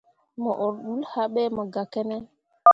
Mo ur ḍul happe mo gah ki ne.